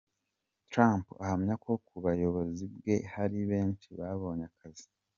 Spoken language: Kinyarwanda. Trump ahamya ko ku buyobozi bwe hari benshi babonye akazi.